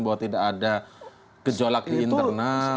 bahwa tidak ada gejolak di internal